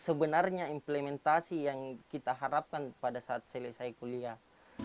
sebenarnya implementasi yang kita harapkan pada saat selesai kuliah